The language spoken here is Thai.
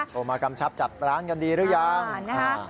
มากำชับจัดร้านกันดีหรือยัง